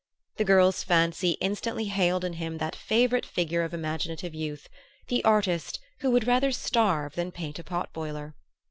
The girl's fancy instantly hailed in him that favorite figure of imaginative youth, the artist who would rather starve than paint a pot boiler.